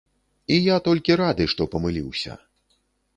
І я толькі рады, што памыліўся.